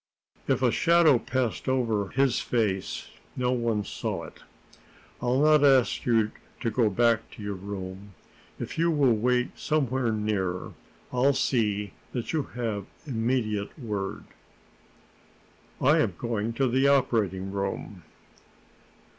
If a shadow passed over his face, no one saw it. "I'll not ask you to go back to your room. If you will wait somewhere near, I'll see that you have immediate word." "I am going to the operating room."